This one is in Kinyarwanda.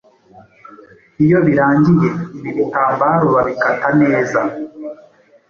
Iyo birangiye, ibi bitambaro babikata neza